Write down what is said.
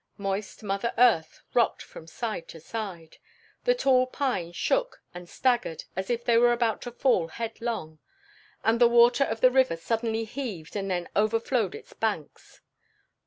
Moist Mother Earth rocked from side to side, the tall pines shook and staggered as if they were about to fall headlong, and the water of the river suddenly heaved and then overflowed its banks.